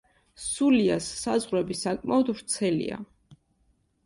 სულიას საზღვრები საკმაოდ ვრცელია.